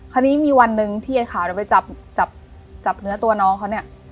คราวนี้มีวันหนึ่งที่ไอ้ขาวเราไปจับจับเนื้อตัวน้องเขาเนี่ย